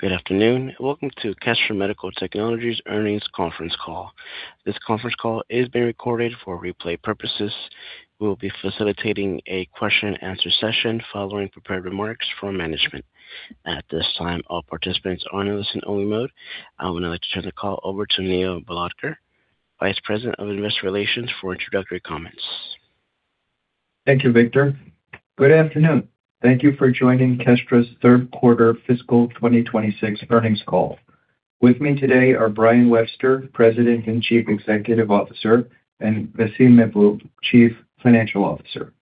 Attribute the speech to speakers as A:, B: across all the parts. A: Good afternoon. Welcome to Kestra Medical Technologies Earnings Conference Call. This conference call is being recorded for replay purposes. We will be facilitating a question and answer session following prepared remarks from management. At this time, all participants are in listen-only mode. I would now like to turn the call over to Neil Bhalodkar, Vice President of Investor Relations, for introductory comments.
B: Thank you, Victor. Good afternoon. Thank you for joining Kestra's Third Quarter Fiscal 2026 Earnings Call. With me today are Brian Webster, President and Chief Executive Officer, and Vaseem Mahboob, Chief Financial Officer.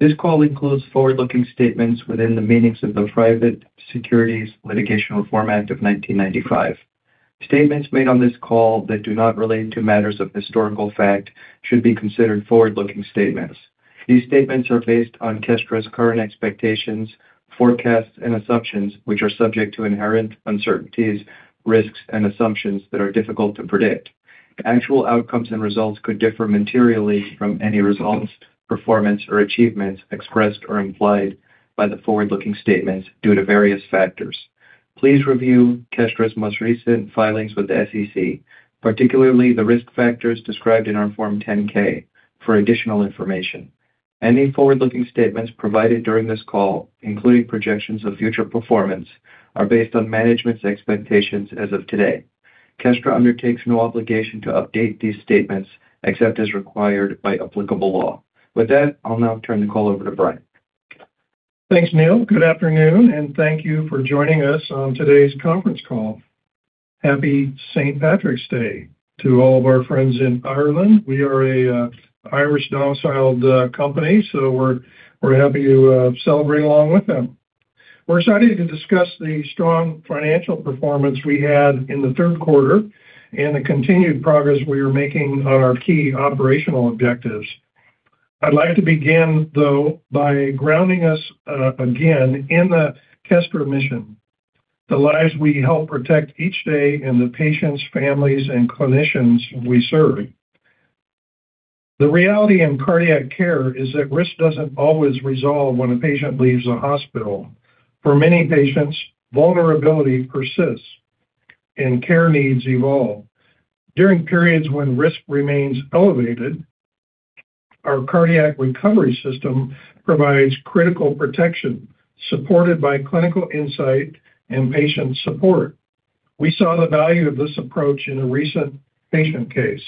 B: This call includes forward-looking statements within the meanings of the Private Securities Litigation Reform Act of 1995. Statements made on this call that do not relate to matters of historical fact should be considered forward-looking statements. These statements are based on Kestra's current expectations, forecasts, and assumptions, which are subject to inherent uncertainties, risks, and assumptions that are difficult to predict. Actual outcomes and results could differ materially from any results, performance, or achievements expressed or implied by the forward-looking statements due to various factors. Please review Kestra's most recent filings with the SEC, particularly the risk factors described in our Form 10-K, for additional information. Any forward-looking statements provided during this call, including projections of future performance, are based on management's expectations as of today. Kestra undertakes no obligation to update these statements except as required by applicable law. With that, I'll now turn the call over to Brian.
C: Thanks, Neil. Good afternoon, and thank you for joining us on today's conference call. Happy St. Patrick's Day to all of our friends in Ireland. We are a Irish-domiciled company, so we're happy to celebrate along with them. We're excited to discuss the strong financial performance we had in the third quarter and the continued progress we are making on our key operational objectives. I'd like to begin, though, by grounding us again in the Kestra mission, the lives we help protect each day, and the patients, families, and clinicians we serve. The reality in cardiac care is that risk doesn't always resolve when a patient leaves a hospital. For many patients, vulnerability persists and care needs evolve. During periods when risk remains elevated, our cardiac recovery system provides critical protection, supported by clinical insight and patient support. We saw the value of this approach in a recent patient case.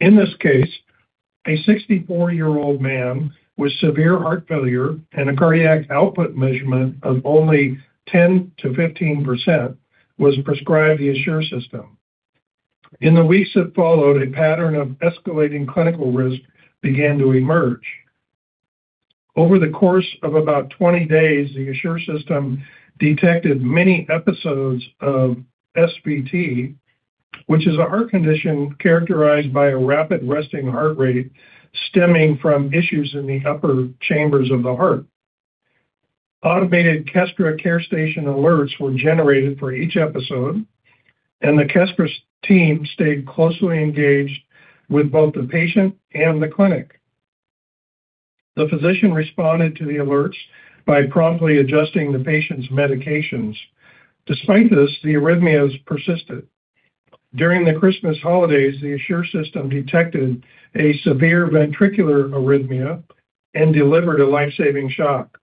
C: In this case, a 64-year-old man with severe heart failure and a cardiac output measurement of only 10%-15% was prescribed the ASSURE System. In the weeks that followed, a pattern of escalating clinical risk began to emerge. Over the course of about 20 days, the ASSURE System detected many episodes of SVT, which is a heart condition characterized by a rapid resting heart rate stemming from issues in the upper chambers of the heart. Automated Kestra CareStation alerts were generated for each episode, and the Kestra support team stayed closely engaged with both the patient and the clinic. The physician responded to the alerts by promptly adjusting the patient's medications. Despite this, the arrhythmias persisted. During the Christmas holidays, the ASSURE System detected a severe ventricular arrhythmia and delivered a life-saving shock.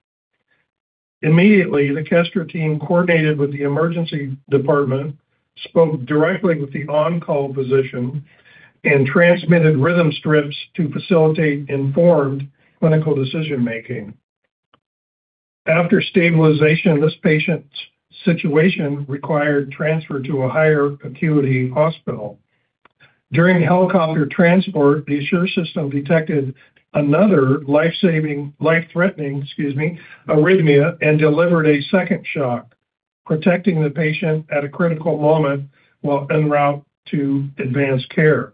C: Immediately, the Kestra team coordinated with the emergency department, spoke directly with the on-call physician, and transmitted rhythm strips to facilitate informed clinical decision-making. After stabilization, this patient's situation required transfer to a higher acuity hospital. During helicopter transport, the ASSURE System detected another life-threatening arrhythmia and delivered a second shock, protecting the patient at a critical moment while en route to advanced care.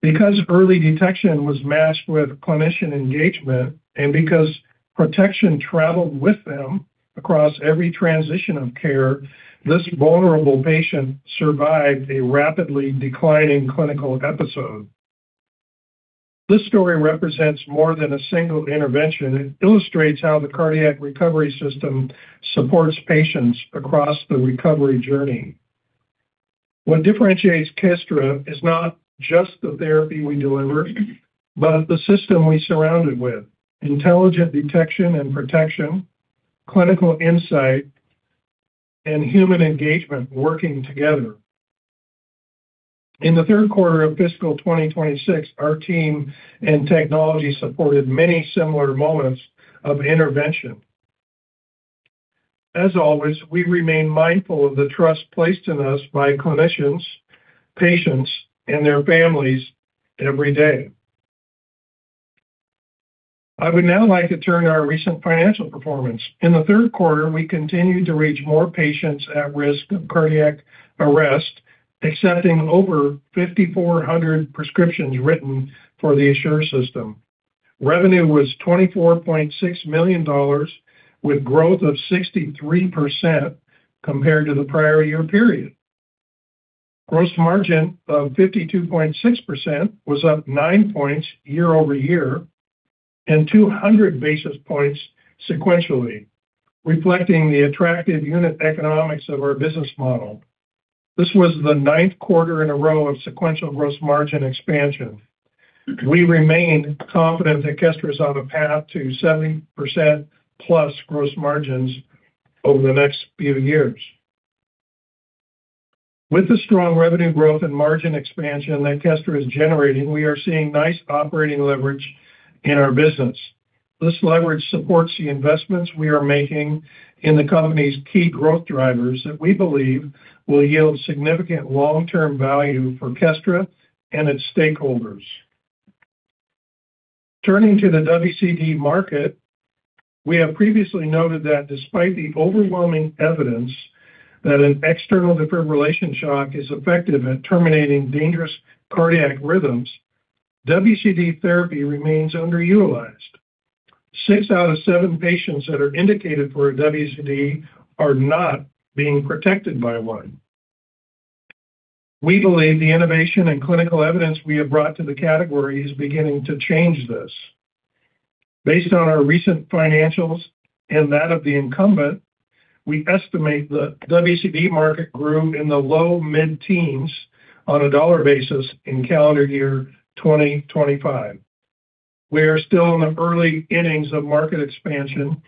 C: Because early detection was matched with clinician engagement and because protection traveled with them across every transition of care, this vulnerable patient survived a rapidly declining clinical episode. This story represents more than a single intervention. It illustrates how the cardiac recovery system supports patients across the recovery journey. What differentiates Kestra is not just the therapy we deliver, but the system we surround it with. Intelligent detection and protection, clinical insight, and human engagement working together. In the third quarter of fiscal 2026, our team and technology supported many similar moments of intervention. As always, we remain mindful of the trust placed in us by clinicians, patients, and their families every day. I would now like to turn to our recent financial performance. In the third quarter, we continued to reach more patients at risk of cardiac arrest, accepting over 5,400 prescriptions written for the ASSURE System. Revenue was $24.6 million, with growth of 63% compared to the prior year period. Gross margin of 52.6% was up 9 points year-over-year and 200 basis points sequentially, reflecting the attractive unit economics of our business model. This was the ninth quarter in a row of sequential gross margin expansion. We remain confident that Kestra is on a path to 70%+ gross margins over the next few years. With the strong revenue growth and margin expansion that Kestra is generating, we are seeing nice operating leverage in our business. This leverage supports the investments we are making in the company's key growth drivers that we believe will yield significant long-term value for Kestra and its stakeholders. Turning to the WCD market, we have previously noted that despite the overwhelming evidence that an external defibrillation shock is effective at terminating dangerous cardiac rhythms, WCD therapy remains underutilized. Six out of seven patients that are indicated for a WCD are not being protected by one. We believe the innovation and clinical evidence we have brought to the category is beginning to change this. Based on our recent financials and that of the incumbent, we estimate the WCD market grew in the low-mid-teens% on a dollar basis in calendar year 2025. We are still in the early innings of market expansion,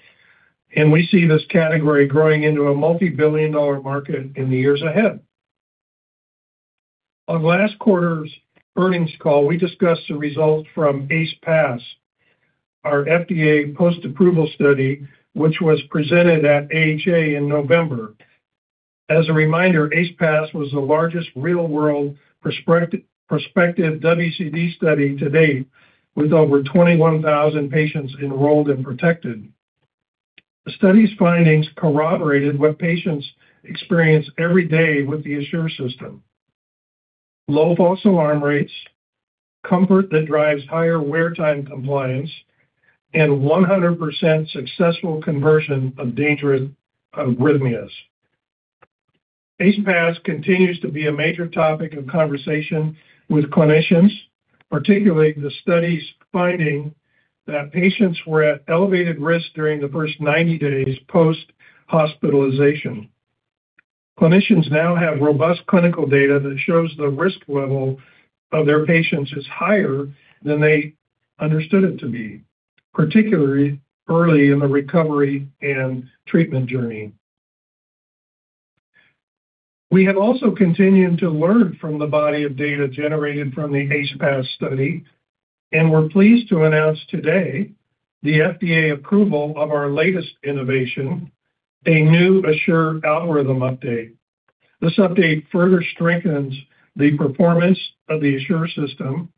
C: and we see this category growing into a multi-billion-dollar market in the years ahead. On last quarter's earnings call, we discussed the results from ACE-PAS, our FDA post-approval study, which was presented at AHA in November. As a reminder, ACE-PAS was the largest real-world perspective WCD study to date, with over 21,000 patients enrolled and protected. The study's findings corroborated what patients experience every day with the ASSURE system. Low false alarm rates, comfort that drives higher wear time compliance, and 100% successful conversion of dangerous arrhythmias. ACE-PAS continues to be a major topic of conversation with clinicians, particularly the study's finding that patients were at elevated risk during the first 90 days post-hospitalization. Clinicians now have robust clinical data that shows the risk level of their patients is higher than they understood it to be, particularly early in the recovery and treatment journey. We have also continued to learn from the body of data generated from the ACE-PAS study, and we're pleased to announce today the FDA approval of our latest innovation, a new ASSURE algorithm update. This update further strengthens the performance of the ASSURE system.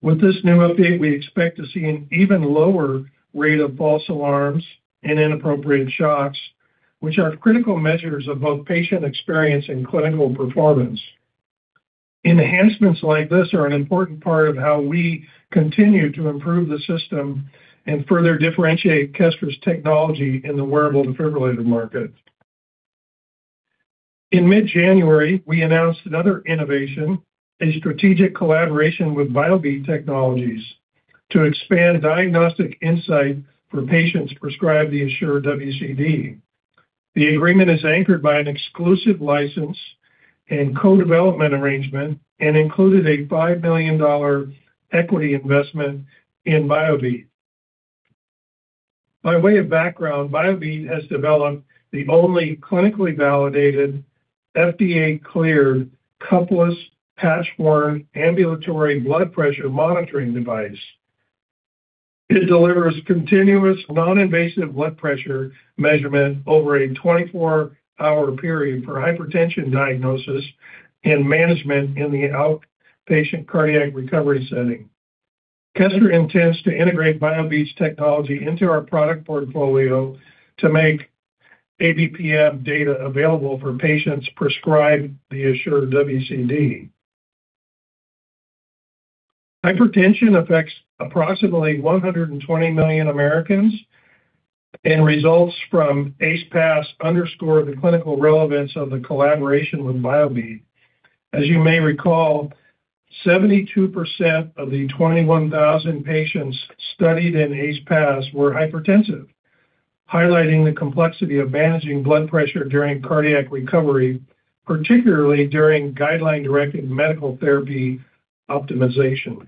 C: With this new update, we expect to see an even lower rate of false alarms and inappropriate shocks, which are critical measures of both patient experience and clinical performance. Enhancements like this are an important part of how we continue to improve the system and further differentiate Kestra's technology in the wearable defibrillator market. In mid-January, we announced another innovation, a strategic collaboration with Biobeat Technologies to expand diagnostic insight for patients prescribed the ASSURE WCD. The agreement is anchored by an exclusive license and co-development arrangement and included a $5 million equity investment in Biobeat. By way of background, Biobeat has developed the only clinically validated FDA-cleared, cuffless, patch-worn ambulatory blood pressure monitoring device. It delivers continuous non-invasive blood pressure measurement over a 24-hour period for hypertension diagnosis and management in the outpatient cardiac recovery setting. Kestra intends to integrate Biobeat's technology into our product portfolio to make ABPM data available for patients prescribed the ASSURE WCD. Hypertension affects approximately 120 million Americans, and results from ACE-PAS underscore the clinical relevance of the collaboration with Biobeat. As you may recall, 72 of the 21,000 patients studied in ACE-PAS were hypertensive, highlighting the complexity of managing blood pressure during cardiac recovery, particularly during guideline-directed medical therapy optimization.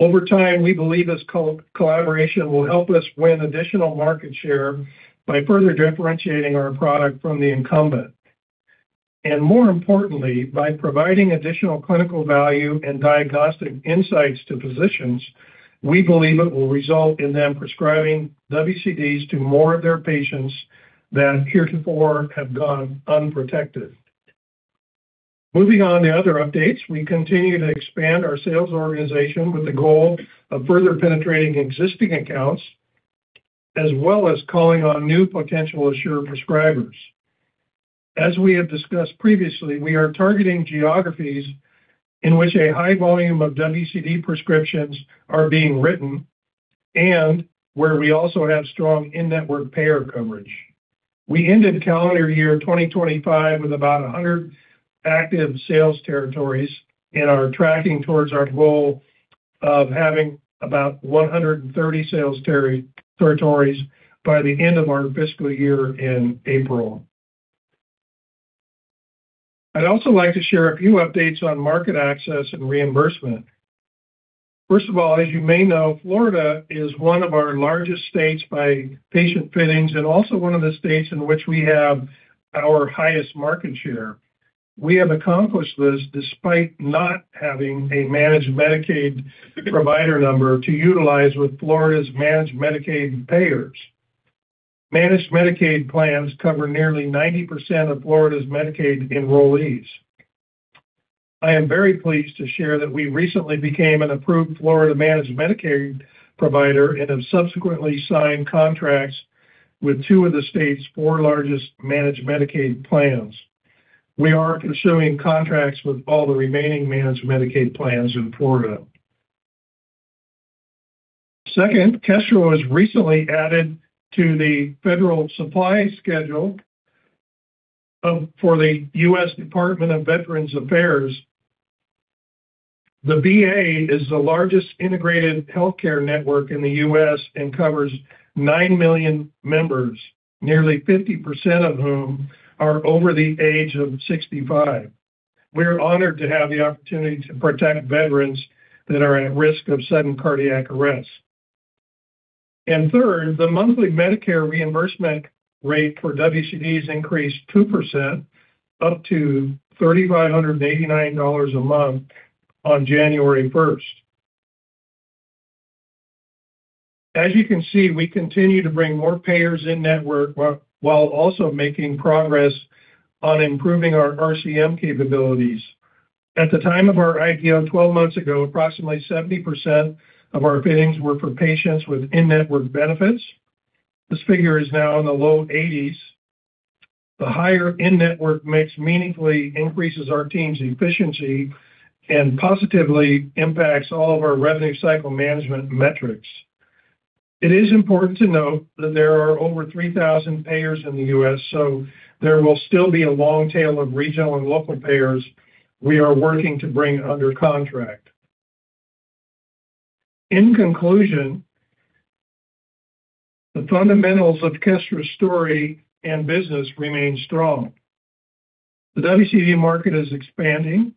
C: Over time, we believe this collaboration will help us win additional market share by further differentiating our product from the incumbent. And more importantly, by providing additional clinical value and diagnostic insights to physicians, we believe it will result in them prescribing WCDs to more of their patients that heretofore have gone unprotected. Moving on to other updates, we continue to expand our sales organization with the goal of further penetrating existing accounts, as well as calling on new potential ASSURE prescribers. As we have discussed previously, we are targeting geographies in which a high volume of WCD prescriptions are being written. And we also have strong in-network payer coverage. We ended calendar year 2025 with about 100 active sales territories and are tracking towards our goal of having about 130 sales territories by the end of our fiscal year in April. I'd also like to share a few updates on market access and reimbursement. First of all, as you may know, Florida is one of our largest states by patient fittings and also one of the states in which we have our highest market share. We have accomplished this despite not having a managed Medicaid provider number to utilize with Florida's managed Medicaid payers. Managed Medicaid plans cover nearly 90% of Florida's Medicaid enrollees. I am very pleased to share that we recently became an approved Florida managed Medicaid provider and have subsequently signed contracts with two of the state's four largest managed Medicaid plans. We are pursuing contracts with all the remaining managed Medicaid plans in Florida. Second, Kestra was recently added to the Federal Supply Schedule for the U.S. Department of Veterans Affairs. The VA is the largest integrated healthcare network in the U.S. and covers 9 million members, nearly 50% of whom are over the age of 65. We're honored to have the opportunity to protect veterans that are at risk of sudden cardiac arrest. And third, the monthly Medicare reimbursement rate for WCDs increased 2% up to $3,589 a month on January 1st. As you can see, we continue to bring more payers in-network while also making progress on improving our RCM capabilities. At the time of our IPO 12 months ago, approximately 70% of our fittings were for patients with in-network benefits. This figure is now in the low 80s. The higher in-network mix meaningfully increases our team's efficiency and positively impacts all of our revenue cycle management metrics. It is important to note that there are over 3,000 payers in the U.S., so there will still be a long tail of regional and local payers we are working to bring under contract. In conclusion, the fundamentals of Kestra's story and business remain strong. The WCD market is expanding.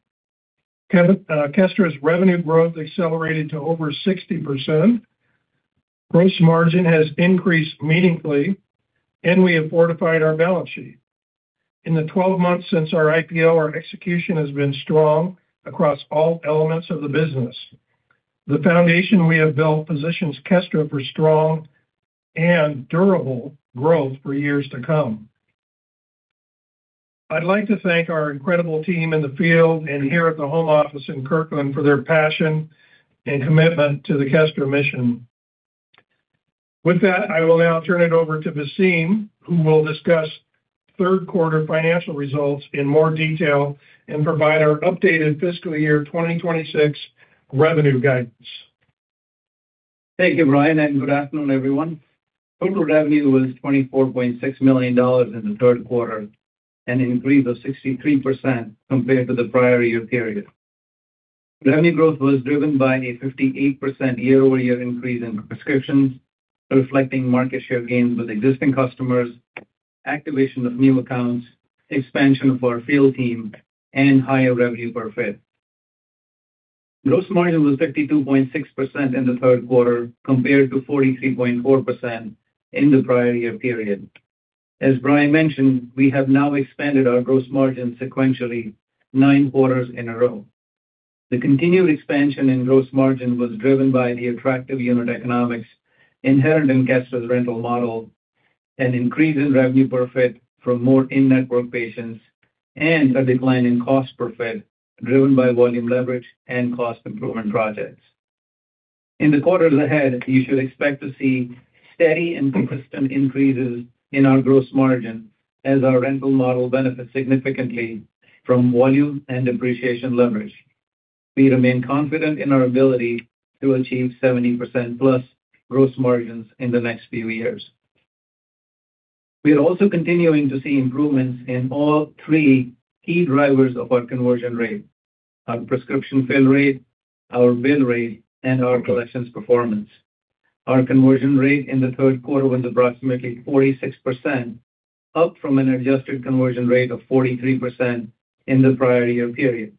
C: Kestra's revenue growth accelerated to over 60%. Gross margin has increased meaningfully, and we have fortified our balance sheet. In the 12 months since our IPO, our execution has been strong across all elements of the business. The foundation we have built positions Kestra for strong and durable growth for years to come. I'd like to thank our incredible team in the field and here at the home office in Kirkland for their passion and commitment to the Kestra mission. With that, I will now turn it over to Vaseem, who will discuss third quarter financial results in more detail and provide our updated fiscal year 2026 revenue guidance.
D: Thank you, Brian, and good afternoon, everyone. Total revenue was $24.6 million in the third quarter, an increase of 63% compared to the prior year period. Revenue growth was driven by a 58% year-over-year increase in prescriptions, reflecting market share gains with existing customers, activation of new accounts, expansion of our field team, and higher revenue per fit. Gross margin was 32.6% in the third quarter compared to 43.4% in the prior year period. As Brian mentioned, we have now expanded our gross margin sequentially nine quarters in a row. The continued expansion in gross margin was driven by the attractive unit economics inherent in Kestra's rental model, an increase in revenue per fit from more in-network patients, and a decline in cost per fit driven by volume leverage and cost improvement projects. In the quarters ahead, you should expect to see steady and consistent increases in our gross margin as our rental model benefits significantly from volume and depreciation leverage. We remain confident in our ability to achieve 70%+ gross margins in the next few years. We are also continuing to see improvements in all three key drivers of our conversion rate, our prescription fill rate, our bill rate, and our collections performance. Our conversion rate in the third quarter was approximately 46%, up from an adjusted conversion rate of 43% in the prior year period.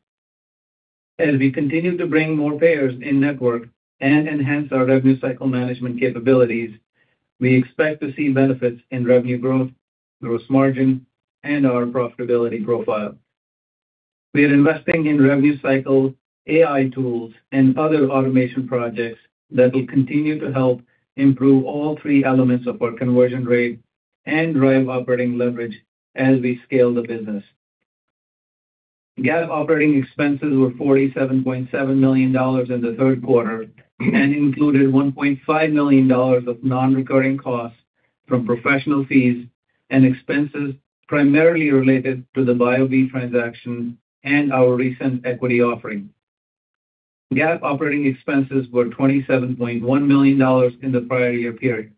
D: As we continue to bring more payers in-network and enhance our revenue cycle management capabilities, we expect to see benefits in revenue growth, gross margin, and our profitability profile. We are investing in revenue cycle, AI tools, and other automation projects that will continue to help improve all three elements of our conversion rate and drive operating leverage as we scale the business. GAAP operating expenses were $47.7 million in the third quarter and included $1.5 million of non-recurring costs from professional fees and expenses primarily related to the Biobeat transaction and our recent equity offering. GAAP operating expenses were $27.1 million in the prior year period.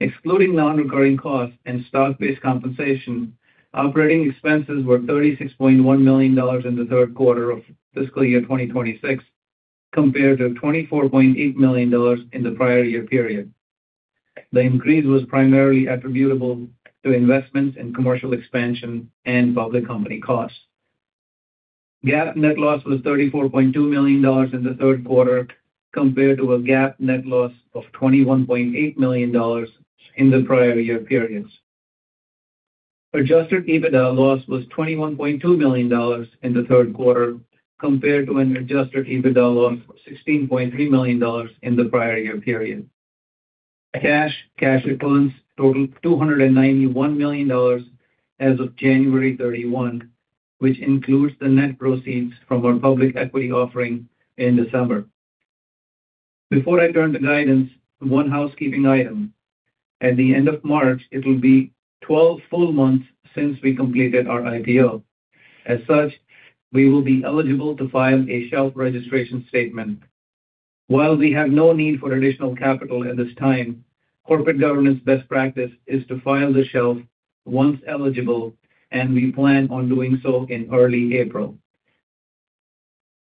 D: Excluding non-recurring costs and stock-based compensation, operating expenses were $36.1 million in the third quarter of fiscal year 2026, compared to $24.8 million in the prior year period. The increase was primarily attributable to investments in commercial expansion and public company costs. GAAP net loss was $34.2 million in the third quarter, compared to a GAAP net loss of $21.8 million in the prior year periods. Adjusted EBITDA loss was $21.2 million in the third quarter, compared to an adjusted EBITDA loss of $16.3 million in the prior year period. Cash, cash equivalents totaled $291 million as of January 31, which includes the net proceeds from our public equity offering in December. Before I turn to guidance, one housekeeping item. At the end of March, it'll be 12 full months since we completed our IPO. As such, we will be eligible to file a shelf registration statement. While we have no need for additional capital at this time, corporate governance best practice is to file the shelf once eligible, and we plan on doing so in early April.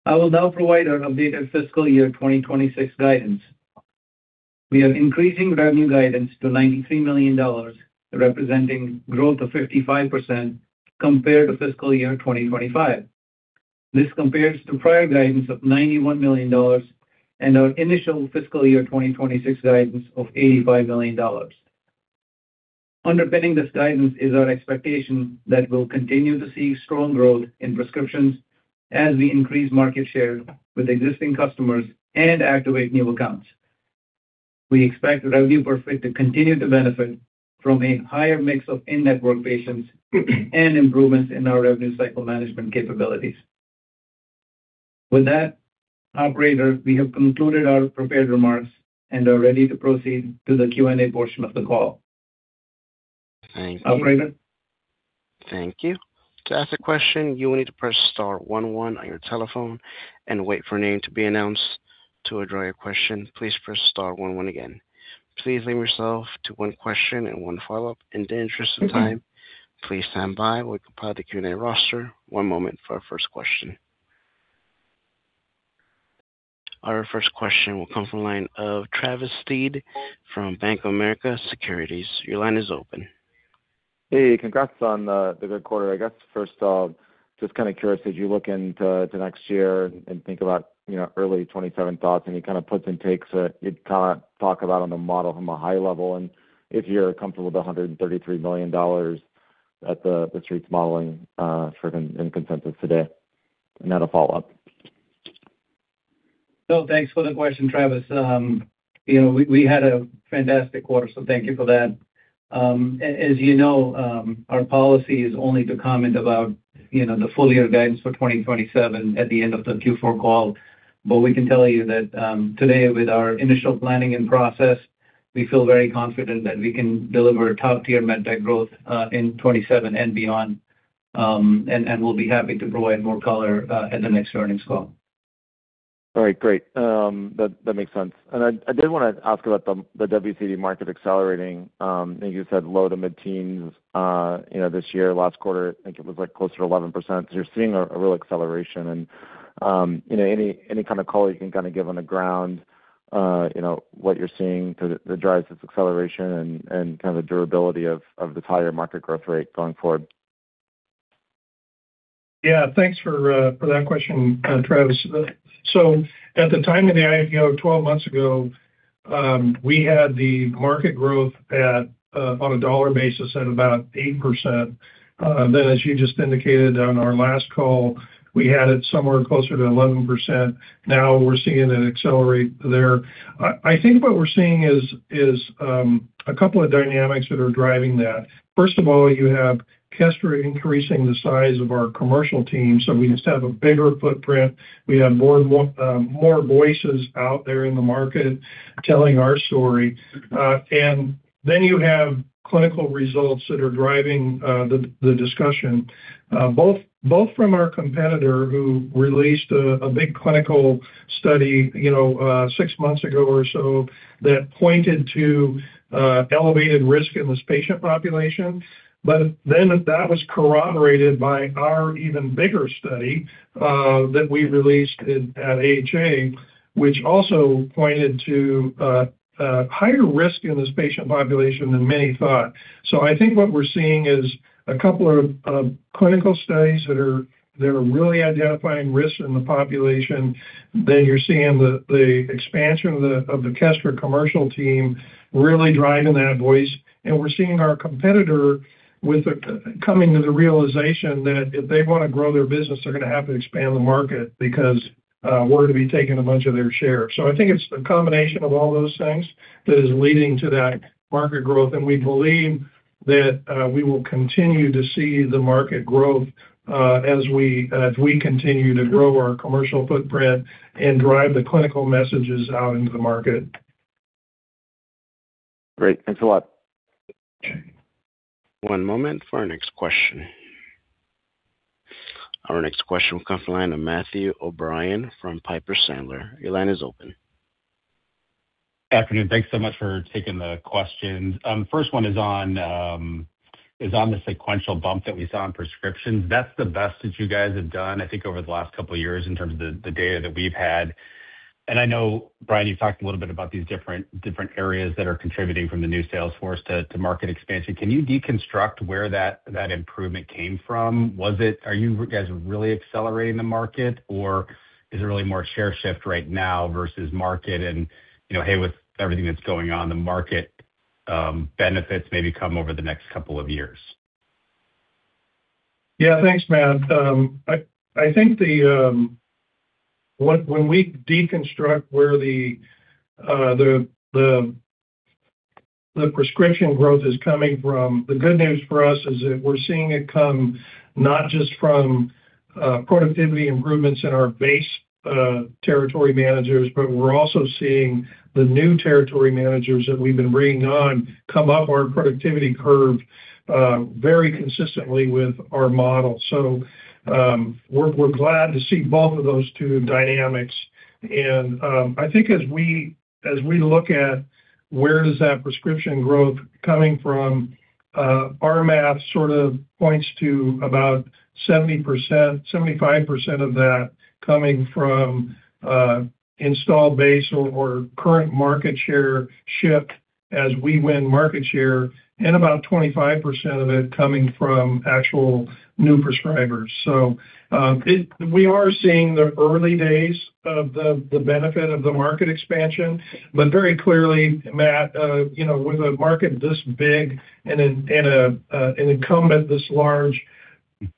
D: I will now provide our updated fiscal year 2026 guidance. We are increasing revenue guidance to $93 million, representing growth of 55% compared to fiscal year 2025. This compares to prior guidance of $91 million and our initial fiscal year 2026 guidance of $85 million. Underpinning this guidance is our expectation that we'll continue to see strong growth in prescriptions as we increase market share with existing customers and activate new accounts. We expect revenue per script to continue to benefit from a higher mix of in-network patients and improvements in our revenue cycle management capabilities. With that, operator, we have concluded our prepared remarks and are ready to proceed to the Q&A portion of the call.
A: Thank you.
D: Operator?
A: Thank you. To ask a question, you will need to press star one one on your telephone and wait for a name to be announced. To withdraw your question, please press star one one again. Please limit yourself to one question and one follow-up in the interest of time. Please stand by while we compile the Q&A roster. One moment for our first question. Our first question will come from the line of Travis Steed from Bank of America Securities. Your line is open.
E: Hey, congrats on the good quarter. I guess first off, just kind of curious as you look into next year and think about, you know, early 2027 thoughts, any kind of puts and takes that you'd kinda talk about on the model from a high level, and if you're comfortable with the $133 million at the Street's modeling for consensus today. And a follow-up.
D: Thanks for the question, Travis. We had a fantastic quarter, so thank you for that. As you know, our policy is only to comment about the full year guidance for 2027 at the end of the Q4 call. We can tell you that today with our initial planning and process, we feel very confident that we can deliver top-tier med tech growth in 2027 and beyond. And we'll be happy to provide more color at the next earnings call.
E: All right, great. That makes sense. I did wanna ask about the WCD market accelerating. I think you said low to mid-teens% this year. Last quarter, I think it was, like, closer to 11%. You're seeing a real acceleration and you know, any kind of color you can kind of give on the ground, you know, what you're seeing that drives this acceleration and kind of the durability of the higher market growth rate going forward.
C: Yeah. Thanks for that question, Travis. At the time of the IPO 12 months ago, we had the market growth at on a dollar basis at about 8%. As you just indicated on our last call, we had it somewhere closer to 11%. Now we're seeing it accelerate there. I think what we're seeing is a couple of dynamics that are driving that. First of all, you have Kestra increasing the size of our commercial team, so we just have a bigger footprint. We have more voices out there in the market telling our story. Then you have clinical results that are driving the discussion both from our competitor who released a big clinical study, you know, six months ago or so that pointed to elevated risk in this patient population. That was corroborated by our even bigger study that we released at AHA, which also pointed to a higher risk in this patient population than many thought. So I think what we're seeing is a couple of clinical studies that are really identifying risks in the population. Then you're seeing the expansion of the Kestra commercial team really driving that voice. And we're seeing our competitor coming to the realization that if they wanna grow their business, they're gonna have to expand the market because we're gonna be taking a bunch of their share. So I think it's the combination of all those things that is leading to that market growth. And we believe that we will continue to see the market growth as we continue to grow our commercial footprint and drive the clinical messages out into the market.
E: Great. Thanks a lot.
A: One moment for our next question. Our next question will come from the line of Matthew O'Brien from Piper Sandler. Your line is open.
F: Afternoon. Thanks so much for taking the questions. First one is on the sequential bump that we saw in prescriptions. That's the best that you guys have done, I think, over the last couple of years in terms of the data that we've had. And I know, Brian, you've talked a little bit about these different areas that are contributing from the new sales force to market expansion. Can you deconstruct where that improvement came from? Was it, are you guys really accelerating the market or is it really more share shift right now versus market? You know, hey, with everything that's going on, the market benefits maybe come over the next couple of years.
C: Yeah, thanks, Matt. I think when we deconstruct where the prescription growth is coming from, the good news for us is that we're seeing it come not just from productivity improvements in our base territory managers, but we're also seeing the new territory managers that we've been bringing on come up our productivity curve very consistently with our model. So we're glad to see both of those two dynamics. I think as we look at where that prescription growth is coming from, our math sort of points to about 70%-75% of that coming from installed base or current market share shift as we win market share, and about 25% of it coming from actual new prescribers. So we are seeing the early days of the benefit of the market expansion. Very clearly, Matt, you know, with a market this big and an incumbent this large,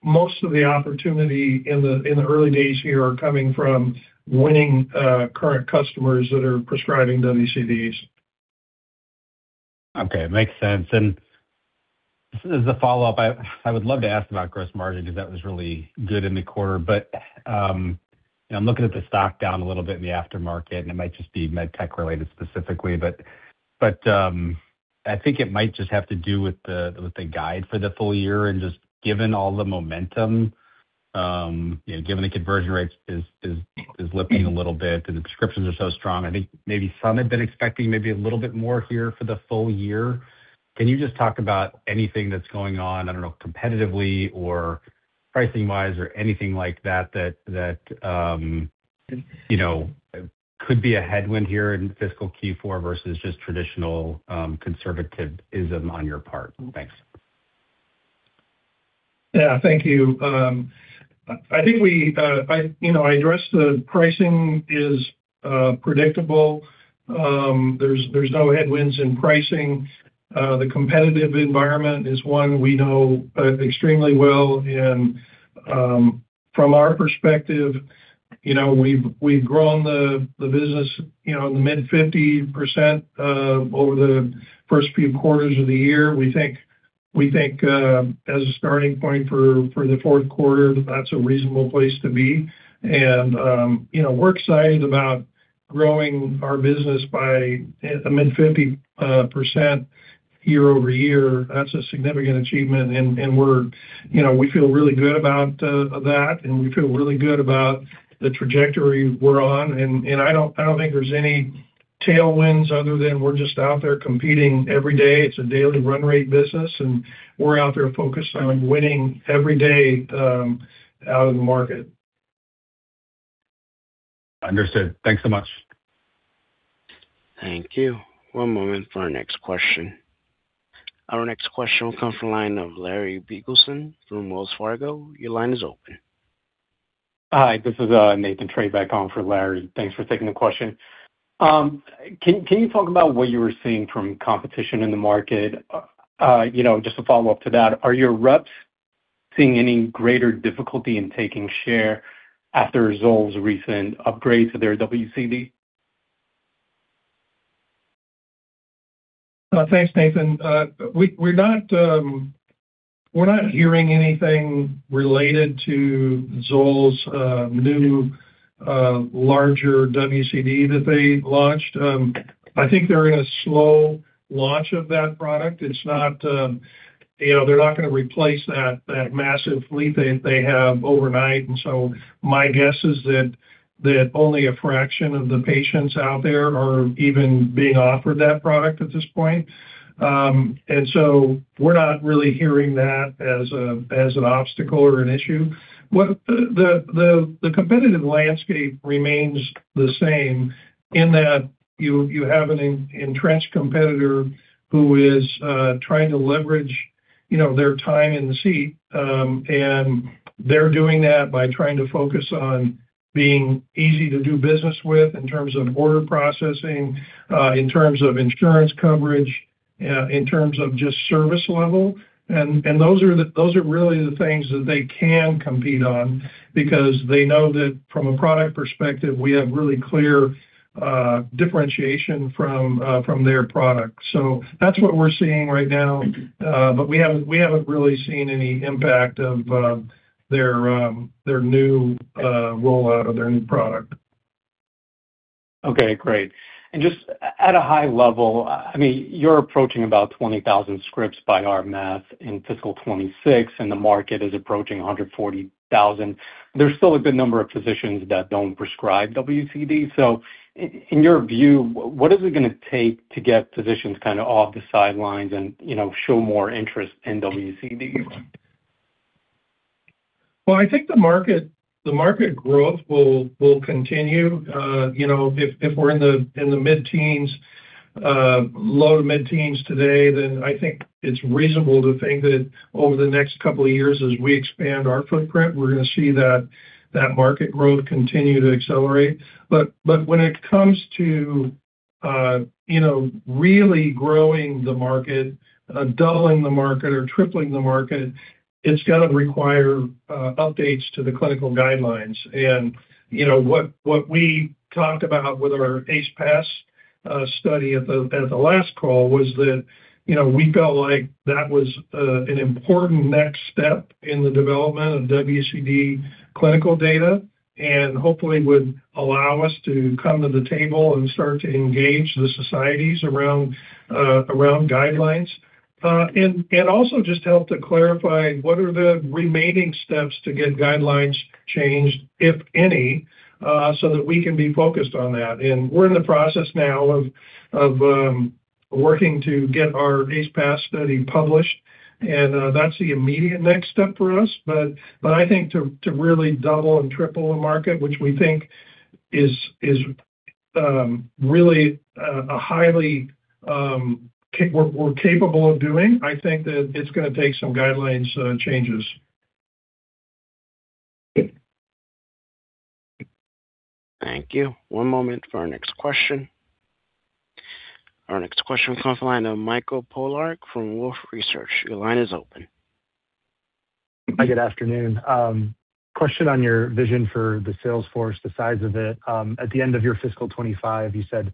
C: most of the opportunity in the early days here are coming from winning current customers that are prescribing WCDs.
F: Okay. Makes sense. And this is a follow-up. I would love to ask about gross margin because that was really good in the quarter. I'm looking at the stock down a little bit in the aftermarket, and it might just be med tech related specifically. I think it might just have to do with the guide for the full year. Just given all the momentum, you know, given the conversion rates is lifting a little bit and the prescriptions are so strong, I think maybe some had been expecting maybe a little bit more here for the full year. Can you just talk about anything that's going on, I don't know, competitively or pricing wise or anything like that, you know, could be a headwind here in fiscal Q four versus just traditional conservatism on your part? Thanks.
C: Yeah. Thank you. I think, you know, I addressed the pricing is predictable. There's no headwinds in pricing. The competitive environment is one we know extremely well. From our perspective, you know, we've grown the business, you know, mid-50% over the first few quarters of the year. We think, as a starting point for the fourth quarter, that's a reasonable place to be. And we're excited about growing our business by a mid-50% year-over-year. That's a significant achievement. And we're, you know, we feel really good about that, and we feel really good about the trajectory we're on. And I don't think there's any tailwinds other than we're just out there competing every day. It's a daily run rate business, and we're out there focused on winning every day, out in the market.
F: Understood. Thanks so much.
A: Thank you. One moment for our next question. Our next question will come from the line of Larry Biegelsen from Wells Fargo. Your line is open.
G: Hi, this is Nathan Treybeck on for Larry Biegelsen. Thanks for taking the question. Can you talk about what you were seeing from competition in the market? You know, just to follow up to that, are your reps seeing any greater difficulty in taking share after ZOLL's recent upgrade to their WCD?
C: Thanks, Nathan. We're not hearing anything related to ZOLL's new larger WCD that they launched. I think they're in a slow launch of that product. It's not, you know, they're not gonna replace that massive fleet they have overnight. So my guess is that only a fraction of the patients out there are even being offered that product at this point. And so we're not really hearing that as an obstacle or an issue. The competitive landscape remains the same in that you have an entrenched competitor who is trying to leverage, you know, their time in the seat. And they are doing that by trying to focus on being easy to do business with in terms of order processing, in terms of insurance coverage, in terms of just service level. And those are really the things that they can compete on because they know that from a product perspective, we have really clear differentiation from their product. That's what we're seeing right now. We haven't really seen any impact of their new rollout of their new product.
G: Okay, great. Just at a high level, I mean, you're approaching about 20,000 scripts by our math in fiscal 2026, and the market is approaching 140,000. There's still a good number of physicians that don't prescribe WCD. So in your view, what is it gonna take to get physicians kind of off the sidelines and, you know, show more interest in WCD?
C: Well, I think the market growth will continue. You know, if we're in the mid-teens, low to mid-teens today, then I think it's reasonable to think that over the next couple of years, as we expand our footprint, we're gonna see that market growth continue to accelerate. But when it comes to, you know, really growing the market, doubling the market or tripling the market, it's gonna require updates to the clinical guidelines. And you know, what we talked about with our ACE-PAS study at the last call was that, you know, we felt like that was an important next step in the development of WCD clinical data and hopefully would allow us to come to the table and start to engage the societies around guidelines. And also just help to clarify what are the remaining steps to get guidelines changed, if any, so that we can be focused on that. We're in the process now of working to get our ACE-PAS study published, and that's the immediate next step for us. But I think to really double and triple the market, which we think is really. We're capable of doing. I think that it's gonna take some guidelines changes.
A: Thank you. One moment for our next question. Our next question comes from the line of Mike Polark from Wolfe Research. Your line is open.
H: Hi, good afternoon. Question on your vision for the sales force, the size of it. At the end of your fiscal 2025, you said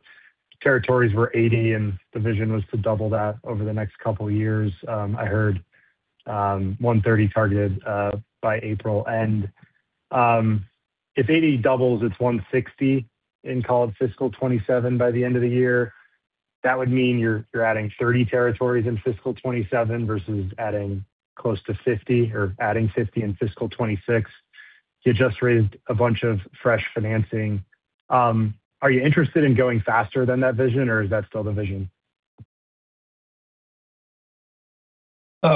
H: territories were 80 and the vision was to double that over the next couple of years. I heard 130 targeted by April. If 80 doubles, it's 160 in, call it fiscal 2027 by the end of the year. That would mean you're adding 30 territories in fiscal 2027 versus adding close to 50 or adding 50 in fiscal 2026. You just raised a bunch of fresh financing. Are you interested in going faster than that vision, or is that still the vision?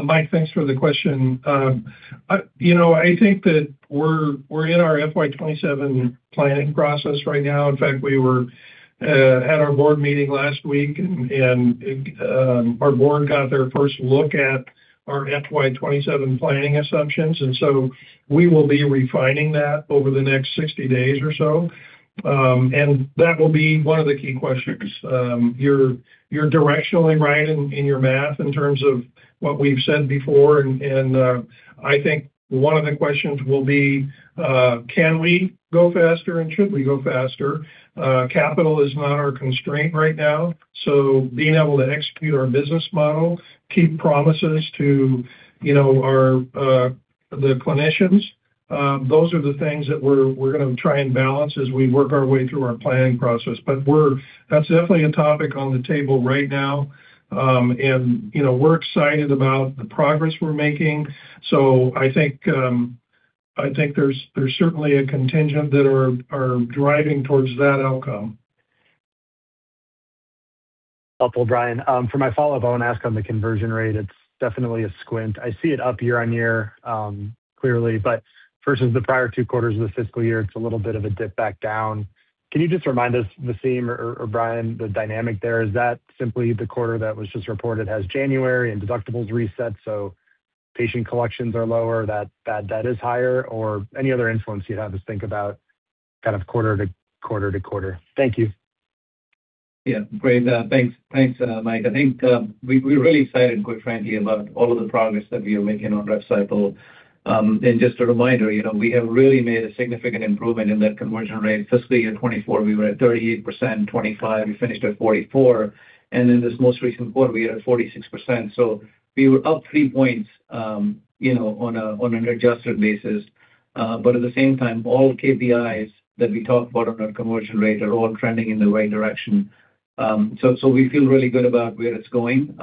C: Mike, thanks for the question. You know, I think that we're in our FY 2027 planning process right now. In fact, we were at our board meeting last week, and our board got their first look at our FY 2027 planning assumptions, and so we will be refining that over the next 60 days or so. That will be one of the key questions. You're directionally right in your math in terms of what we've said before. I think one of the questions will be, can we go faster and should we go faster? Capital is not our constraint right now, so being able to execute our business model, keep promises to, you know, our, the clinicians, those are the things that we're gonna try and balance as we work our way through our planning process. That's definitely a topic on the table right now. And you know, we're excited about the progress we're making. I think there's certainly a contingent that are driving towards that outcome.
H: Helpful, Brian. For my follow-up, I wanna ask on the conversion rate. It's definitely sequential. I see it up year-over-year, clearly. Versus the prior two quarters of the fiscal year, it's a little bit of a dip back down. Can you just remind us, Vaseem or Brian, the dynamic there is that simply the quarter that was just reported as January and deductibles reset so patient collections are lower, that bad debt is higher or any other influence you'd have us think about kind of quarter-to-quarter. Thank you.
D: Yeah. Great. Thanks, Mike. I think we're really excited, quite frankly, about all of the progress that we are making on rev cycle. Just a reminder, you know, we have really made a significant improvement in that conversion rate. Fiscal year 2024, we were at 38%, 2025 we finished at 44%, and in this most recent quarter, we are at 46%. We were up 3 points, you know, on an adjusted basis. At the same time, all KPIs that we talk about on our conversion rate are all trending in the right direction. So we feel really good about where it's going.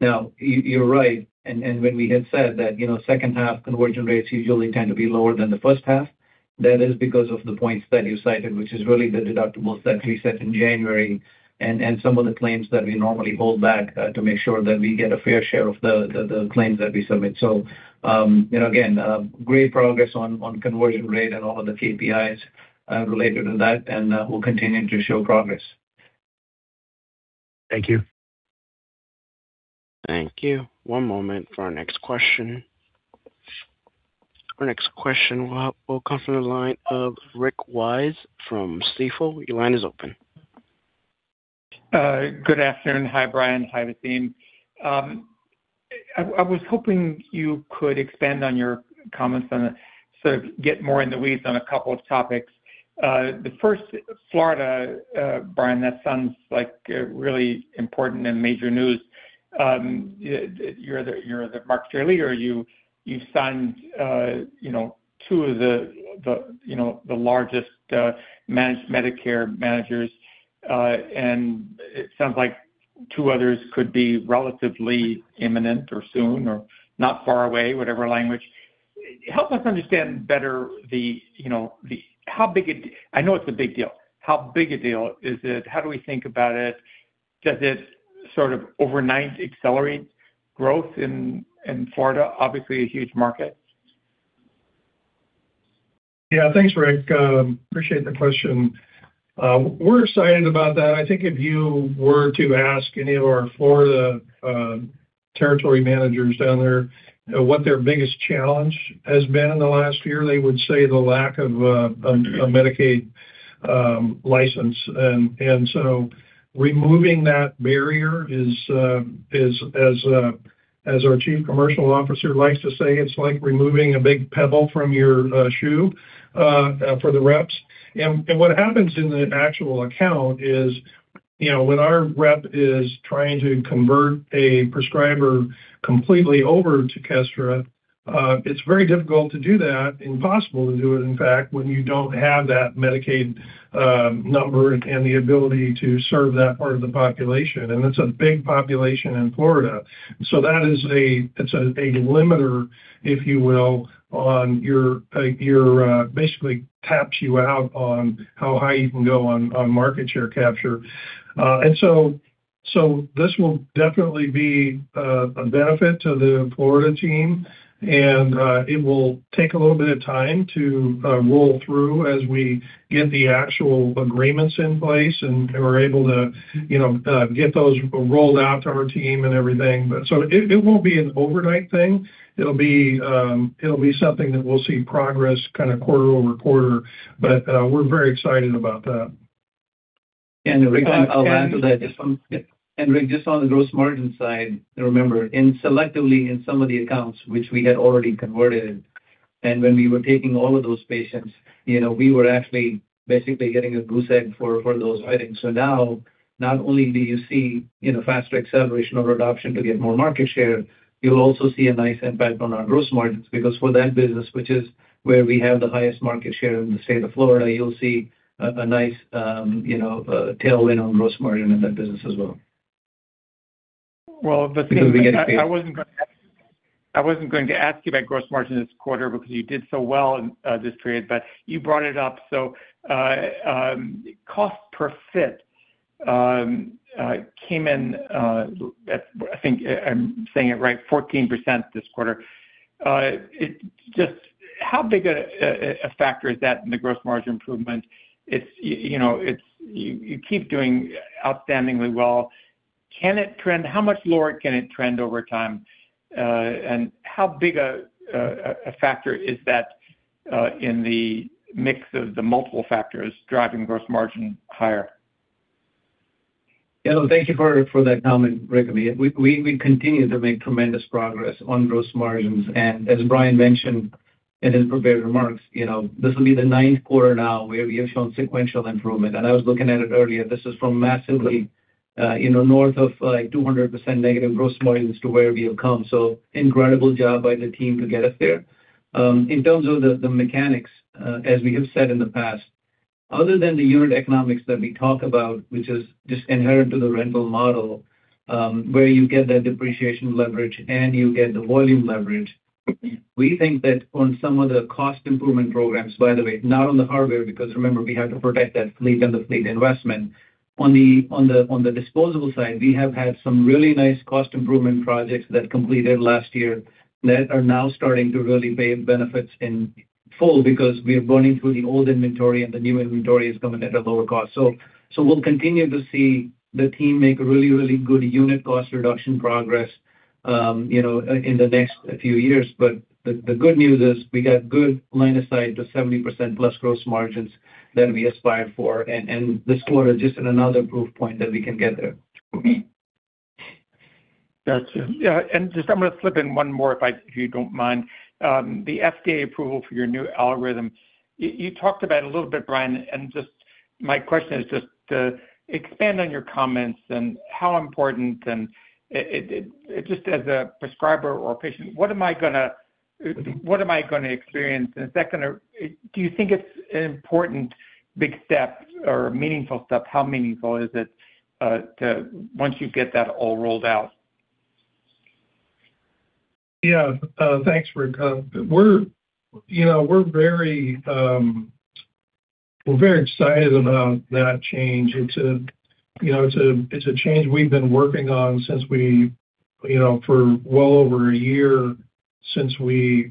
D: Now, you're right, and when we had said that, you know, second half conversion rates usually tend to be lower than the first half. That is because of the points that you cited, which is really the deductibles that reset in January and some of the claims that we normally hold back to make sure that we get a fair share of the claims that we submit. So you know, again, great progress on conversion rate and all of the KPIs related to that, and we'll continue to show progress.
H: Thank you.
A: Thank you. One moment for our next question. Our next question will come from the line of Rick Wise from Stifel. Your line is open.
I: Good afternoon. Hi, Brian. Hi, Vaseem. I was hoping you could expand on your comments, sort of get more in the weeds on a couple of topics. The first, Florida, Brian, that sounds like really important and major news. You're the market share leader. You signed you know two of the you know the largest managed Medicare managers. And it sounds like two others could be relatively imminent or soon or not far away, whatever language. Help us understand better you know how big it. I know it's a big deal. How big a deal is it? How do we think about it? Does it sort of overnight accelerate growth in Florida? Obviously, a huge market.
C: Yeah. Thanks, Rick. Appreciate the question. We're excited about that. I think if you were to ask any of our Florida territory managers down there, what their biggest challenge has been in the last year, they would say the lack of a Medicaid license. And so removing that barrier is as our chief commercial officer likes to say, it's like removing a big pebble from your shoe for the reps. What happens in the actual account is, you know, when our rep is trying to convert a prescriber completely over to Kestra, it's very difficult to do that, impossible to do it, in fact, when you don't have that Medicaid number and the ability to serve that part of the population, and it's a big population in Florida. So that is a limiter, if you will, on your basically caps you out on how high you can go on market share capture. And so this will definitely be a benefit to the Florida team. It will take a little bit of time to roll through as we get the actual agreements in place, and we're able to, you know, get those rolled out to our team and everything. It won't be an overnight thing. It'll be something that we'll see progress kind of quarter-over-quarter. We're very excited about that.
D: Rick, just on the gross margin side, remember, in select accounts which we had already converted, and when we were taking all of those patients, you know, we were actually basically getting a goose egg for those items. Now, not only do you see, you know, faster acceleration or adoption to get more market share, you'll also see a nice impact on our gross margins. Because for that business, which is where we have the highest market share in the state of Florida, you'll see a nice, you know, tailwind on gross margin in that business as well.
I: Well, the thing is I wasn't going to ask you about gross margin this quarter because you did so well in this period, but you brought it up. Cost per fit came in at, I think I'm saying it right, 14% this quarter. Just how big a factor is that in the gross margin improvement? You know, you keep doing outstandingly well. Can it trend? How much lower can it trend over time? And how big a factor is that in the mix of the multiple factors driving gross margin higher?
D: Thank you for that comment, Rick. We continue to make tremendous progress on gross margins. As Brian mentioned in his prepared remarks, you know, this will be the ninth quarter now where we have shown sequential improvement. I was looking at it earlier. This is from massively, you know, north of, like, -200% gross margins to where we have come. Incredible job by the team to get us there. In terms of the mechanics, as we have said in the past, other than the unit economics that we talk about, which is just inherent to the rental model, where you get that depreciation leverage and you get the volume leverage, we think that on some of the cost improvement programs, by the way, not on the hardware, because remember, we have to protect that fleet and the fleet investment. On the disposable side, we have had some really nice cost improvement projects that completed last year that are now starting to really pay benefits in full because we are burning through the old inventory, and the new inventory is coming at a lower cost. So we'll continue to see the team make really good unit cost reduction progress, you know, in the next few years. But the good news is we got good line of sight to 70%+ gross margins that we aspire for. And this quarter is just another proof point that we can get there.
I: Gotcha. Yeah. Just I'm gonna slip in one more if you don't mind. The FDA approval for your new algorithm, you talked about it a little bit, Brian. And my question is just, expand on your comments and how important and it just as a prescriber or patient, what am I gonna experience? Is that gonna do you think it's an important big step or meaningful step? How meaningful is it to once you get that all rolled out?
C: Yeah. Thanks, Rick. We're very excited about that change. It's a change we've been working on for well over a year since we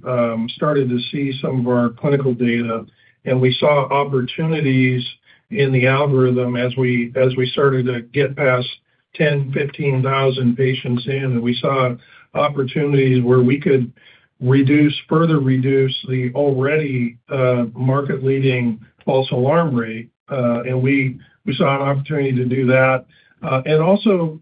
C: started to see some of our clinical data. And we saw opportunities in the algorithm as we started to get past 10,000, 15,000 patients in. We saw opportunities where we could further reduce the already market-leading false alarm rate. We saw an opportunity to do that and also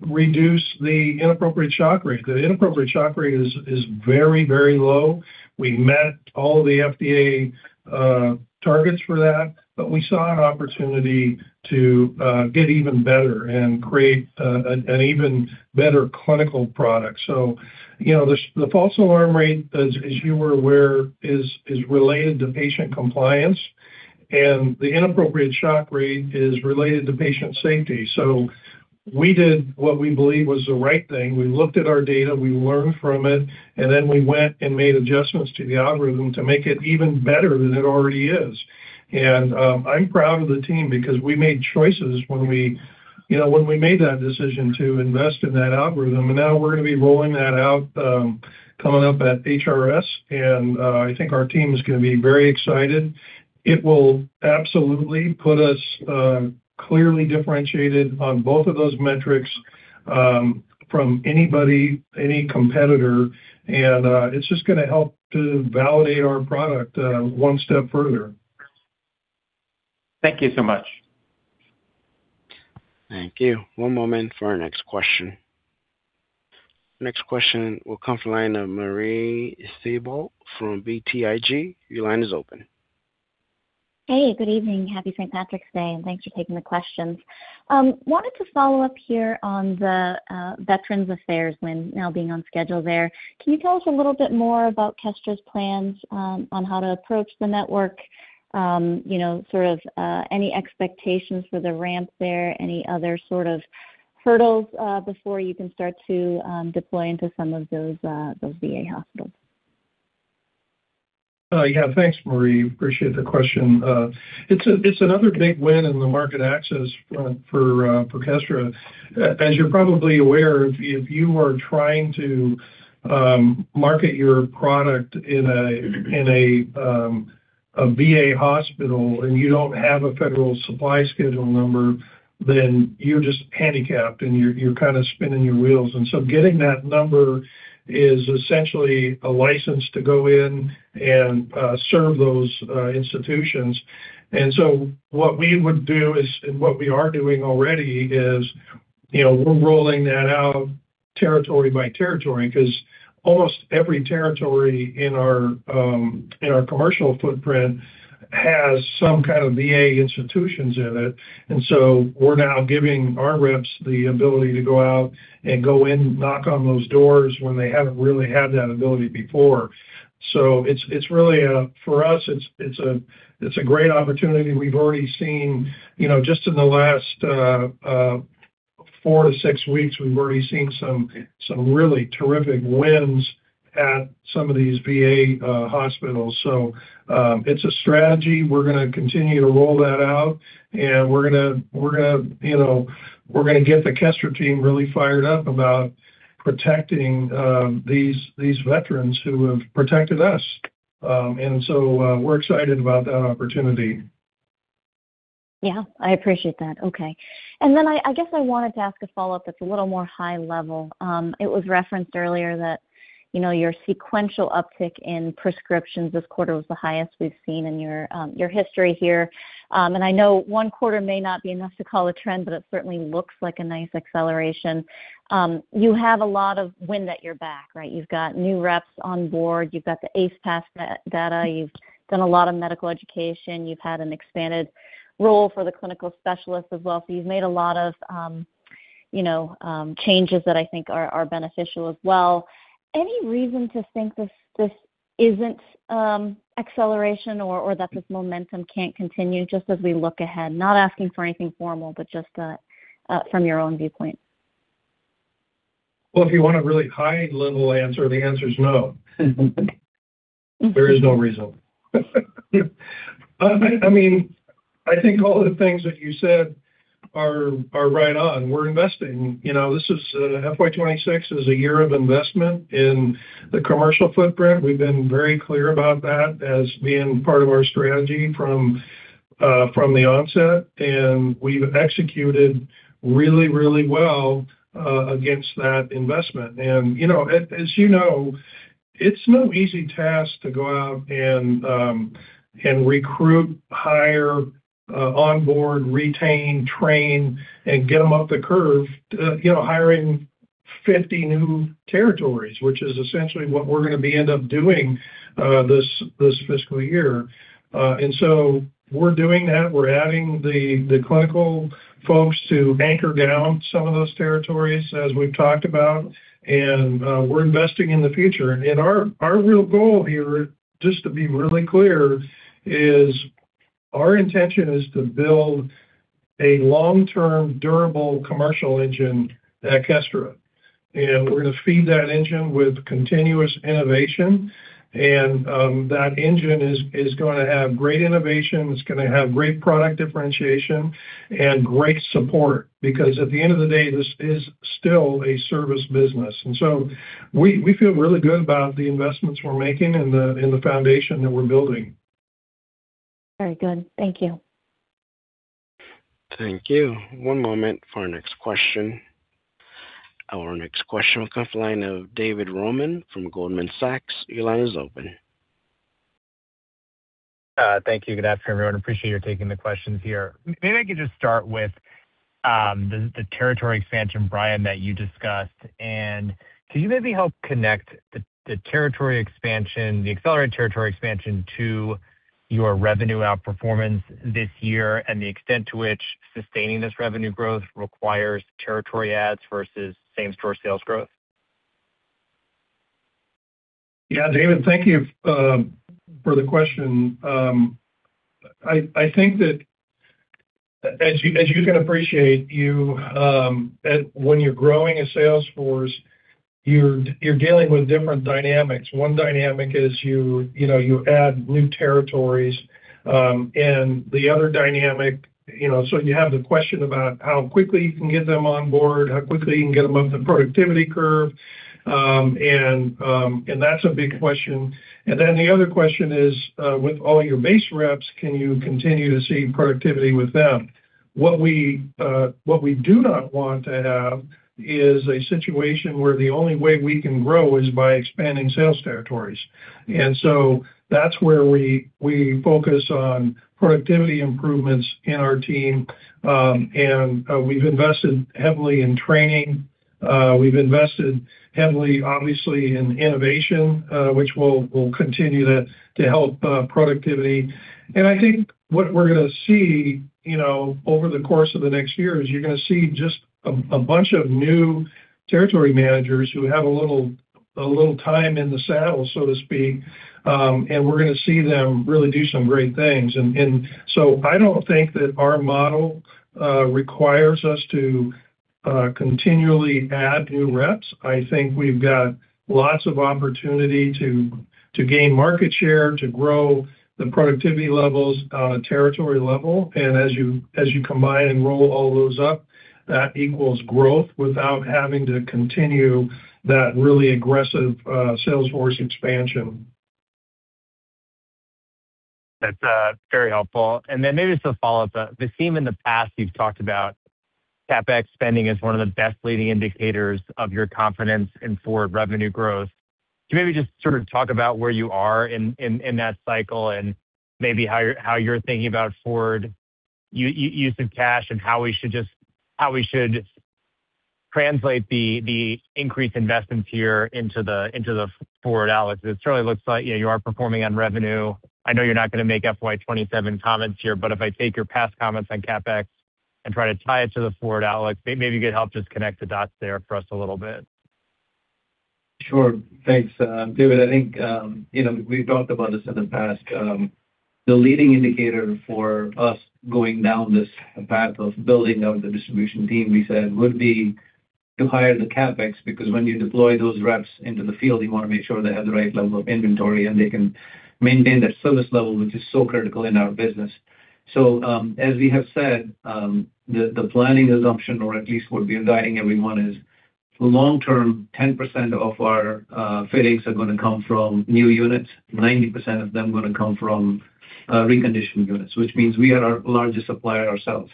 C: reduce the inappropriate shock rate. The inappropriate shock rate is very low. We met all the FDA targets for that, but we saw an opportunity to get even better and create an even better clinical product. So you know, the false alarm rate, as you were aware, is related to patient compliance. And the inappropriate shock rate is related to patient safety. So we did what we believe was the right thing. We looked at our data, we learned from it, and then we went and made adjustments to the algorithm to make it even better than it already is. I'm proud of the team because we made choices when we made that decision to invest in that algorithm. Now we're gonna be rolling that out coming up at HRS, and I think our team is gonna be very excited. It will absolutely put us clearly differentiated on both of those metrics from anybody, any competitor. And it's just gonna help to validate our product one step further.
I: Thank you so much.
A: Thank you. One moment for our next question. Next question will come from line of Marie Thibault from BTIG. Your line is open.
J: Hey, good evening. Happy St. Patrick's Day, and thanks for taking the questions. Wanted to follow up here on the Veterans Affairs win now being on schedule there. Can you tell us a little bit more about Kestra's plans on how to approach the network? You know, sort of any expectations for the ramp there, any other sort of hurdles before you can start to deploy into some of those VA hospitals?
C: Yeah. Thanks, Marie. Appreciate the question. It's another big win in the market access for Kestra. As you're probably aware, if you are trying to market your product in a VA hospital and you don't have a Federal Supply Schedule number, then you're just handicapped, and you're kinda spinning your wheels. So getting that number is essentially a license to go in and serve those institutions. And so what we would do is, and what we are doing already is, you know, we're rolling that out territory by territory because almost every territory in our commercial footprint has some kind of VA institutions in it. And so we're now giving our reps the ability to go out and go in, knock on those doors when they haven't really had that ability before. So it's really a great opportunity for us. We've already seen, you know, just in the last four-six weeks, we've already seen some really terrific wins at some of these VA hospitals. So it's a strategy. We're gonna continue to roll that out, and we're gonna get the Kestra team really fired up about protecting these veterans who have protected us. And so we're excited about that opportunity.
J: Yeah. I appreciate that. Okay. I guess I wanted to ask a follow-up that's a little more high level. It was referenced earlier that, you know, your sequential uptick in prescriptions this quarter was the highest we've seen in your history here. And I know one quarter may not be enough to call a trend, but it certainly looks like a nice acceleration. You have a lot of wind at your back, right? You've got new reps on board. You've got the ACE-PAS data. You've done a lot of medical education. You've had an expanded role for the clinical specialists as well. So you've made a lot of, you know, changes that I think are beneficial as well. Any reason to think this isn't acceleration or that this momentum can't continue just as we look ahead? Not asking for anything formal, but just from your own viewpoint.
C: Well, if you want a really high-level answer, the answer is no. There is no reason. I mean, I think all the things that you said are right on. We're investing. You know, this is FY 2026 is a year of investment in the commercial footprint. We've been very clear about that as being part of our strategy from the onset, and we've executed really well against that investment. And you know, as you know, it's no easy task to go out and recruit, hire, onboard, retain, train, and get them up the curve, you know, hiring 50 new territories, which is essentially what we're gonna end up doing this fiscal year. And so we're doing that. We're adding the clinical folks to anchor down some of those territories as we've talked about, and we're investing in the future. Our real goal here, just to be really clear, is our intention to build a long-term, durable commercial engine at Kestra. And we're gonna feed that engine with continuous innovation. That engine is gonna have great innovation, it's gonna have great product differentiation and great support because at the end of the day, this is still a service business. And so we feel really good about the investments we're making and the foundation that we're building.
J: Very good. Thank you.
A: Thank you. One moment for our next question. Our next question will come from the line of David Roman from Goldman Sachs. Your line is open.
K: Thank you. Good afternoon, everyone. Appreciate you taking the questions here. Maybe I could just start with the territory expansion, Brian, that you discussed. And can you maybe help connect the territory expansion, the accelerated territory expansion to your revenue outperformance this year and the extent to which sustaining this revenue growth requires territory adds versus same-store sales growth?
C: Yeah, David, thank you for the question. I think that as you can appreciate, you, when you're growing a sales force, you're dealing with different dynamics. One dynamic is you know you add new territories. And the other dynamic, you know, so you have the question about how quickly you can get them on board, how quickly you can get them up the productivity curve, and that's a big question. And then the other question is, with all your base reps, can you continue to see productivity with them? What we do not want to have is a situation where the only way we can grow is by expanding sales territories. And so that's where we focus on productivity improvements in our team. We've invested heavily in training. We've invested heavily, obviously, in innovation, which will continue to help productivity. And I think what we're gonna see, you know, over the course of the next year is you're gonna see just a bunch of new territory managers who have a little time in the saddle, so to speak, and we're gonna see them really do some great things. And so I don't think that our model requires us to continually add new reps. I think we've got lots of opportunity to gain market share, to grow the productivity levels on a territory level. As you combine and roll all those up, that equals growth without having to continue that really aggressive sales force expansion.
K: That's very helpful. And then maybe just a follow-up. The theme in the past you've talked about CapEx spending as one of the best leading indicators of your confidence in forward revenue growth. Can you maybe just sort of talk about where you are in that cycle and maybe how you're thinking about forward use of cash and how we should translate the increased investments here into the forward outlook? It certainly looks like, you know, you are performing on revenue. I know you're not gonna make FY 2027 comments here, but if I take your past comments on CapEx and try to tie it to the forward outlook, maybe you could help just connect the dots there for us a little bit.
D: Sure. Thanks, David. I think, you know, we've talked about this in the past. The leading indicator for us going down this path of building out the distribution team, we said, would be to hire the CapEx, because when you deploy those reps into the field, you wanna make sure they have the right level of inventory, and they can maintain that service level, which is so critical in our business. So as we have said, the planning assumption or at least what we're guiding everyone is long-term, 10% of our fittings are gonna come from new units, 90% of them gonna come from reconditioned units, which means we are our largest supplier ourselves.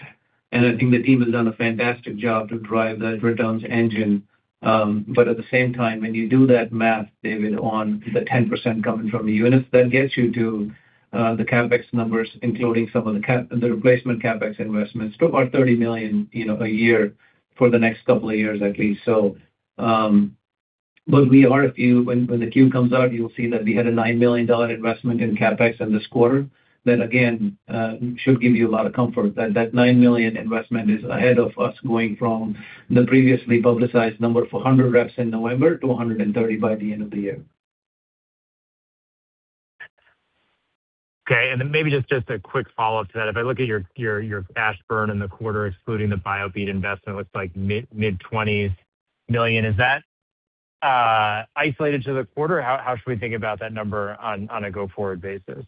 D: And I think the team has done a fantastic job to drive that returns engine. But at the same time, when you do that math, David, on the 10% coming from the units, that gets you to the CapEx numbers, including some of the replacement CapEx investments to about $30 million, you know, a year for the next couple of years at least. When the Q comes out, you'll see that we had a $9 million investment in CapEx in this quarter. That again should give you a lot of comfort that that $9 million investment is ahead of us going from the previously publicized number for 100 reps in November to 130 by the end of the year.
K: Okay. Maybe just a quick follow-up to that. If I look at your cash burn in the quarter, excluding the Biobeat investment, looks like mid-$20s million. Is that isolated to the quarter, or how should we think about that number on a go-forward basis?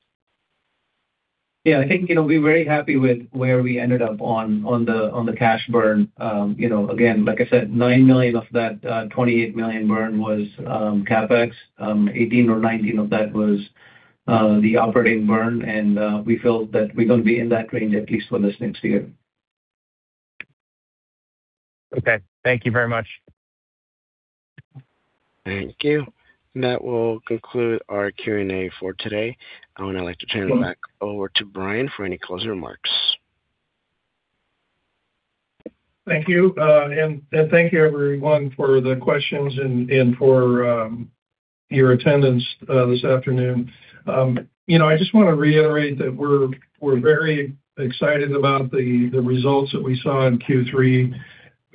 D: Yeah, I think, you know, we're very happy with where we ended up on the cash burn. You know, again, like I said, $9 million of that $28 million burn was CapEx. $18 or $19 of that was the operating burn. And we felt that we're gonna be in that range, at least for this next year.
K: Okay. Thank you very much.
A: Thank you. That will conclude our Q&A for today. I would now like to turn it back over to Brian for any closing remarks.
C: Thank you. Thank you everyone for the questions and for your attendance this afternoon. You know, I just wanna reiterate that we're very excited about the results that we saw in Q3.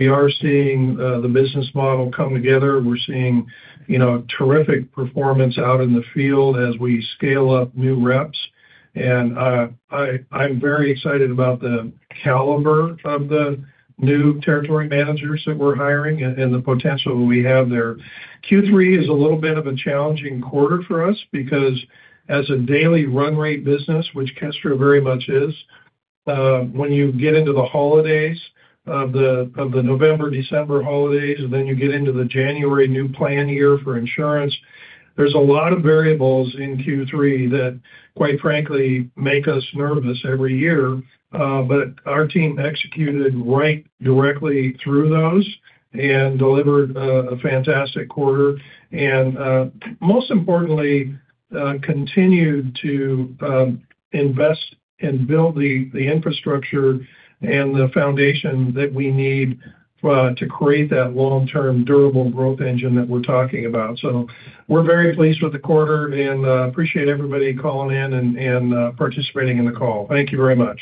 C: We are seeing the business model come together. We're seeing, you know, terrific performance out in the field as we scale up new reps. And I'm very excited about the caliber of the new territory managers that we're hiring and the potential we have there. Q3 is a little bit of a challenging quarter for us because as a daily run rate business, which Kestra very much is, when you get into the holidays of the November, December holidays, and then you get into the January new plan year for insurance, there's a lot of variables in Q3 that, quite frankly, make us nervous every year. But our team executed right through those and delivered a fantastic quarter. And most importantly, continued to invest and build the infrastructure and the foundation that we need to create that long-term durable growth engine that we're talking about. So we're very pleased with the quarter and appreciate everybody calling in and participating in the call. Thank you very much.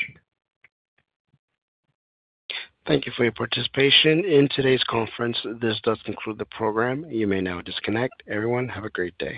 A: Thank you for your participation in today's conference. This does conclude the program. You may now disconnect. Everyone, have a great day.